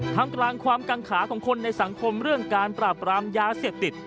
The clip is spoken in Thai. ทำกลางความกังขาของคนในสังคมเรื่องการปราบรามยาเสพติด